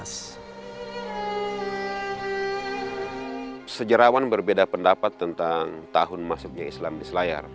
sejarawan berbeda pendapat tentang tahun masuknya islam di selayar